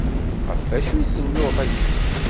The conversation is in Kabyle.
Ɣef acu i tennuɣ akken?